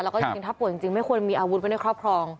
แล้วก็จริงถ้าป่วยจริงไม่ควรมีอาวุธไว้ในครอบครอง